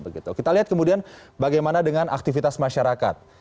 kita lihat kemudian bagaimana dengan aktivitas masyarakat